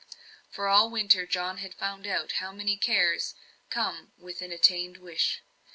For, all winter, John had found out how many cares come with an attained wish.